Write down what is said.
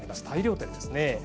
大量点ですね。